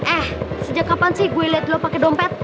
eh sejak kapan sih gue liat lo pake dompet